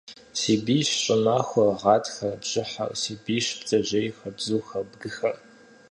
Си бийщ щӏымахуэр, гъатхэр, бжьыхьэр. Си бийщ, бдзэжьейхэр, бзухэр, бгыхэр.